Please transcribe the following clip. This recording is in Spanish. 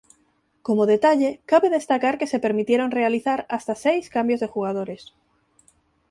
Como detalle, cabe destacar que se permitieron realizar hasta seis cambios de jugadores.